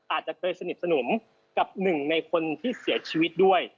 อาจจะเคยสนิทสนมกับหนึ่งในคนที่เสียชีวิตด้วย